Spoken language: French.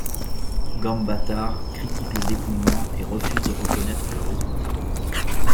Ganbaatar critique le dépouillement et refuse de reconnaitre le résultat.